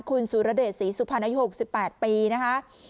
คุณสุรเดชศรีสุภาณยกสิบแปดปีนะคะ